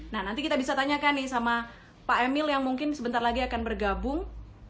nah nanti kita bisa tanyakan nih sama pak emil yang mungkin sebentar lagi akan bergabung